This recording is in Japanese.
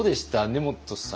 根本さん。